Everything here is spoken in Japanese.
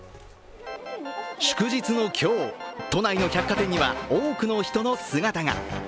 祝日の今日、都内の百貨店には多くの人の姿が。